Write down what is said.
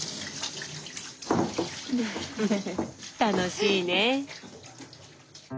楽しいね！